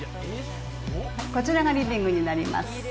こちらがリビングになります。